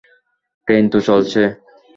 Train তো চলছে।